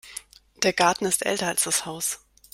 Der Garten ist älter als das Haus.